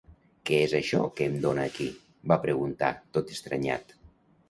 -Què és això que em dóna aquí?- va preguntar, tot estranyat.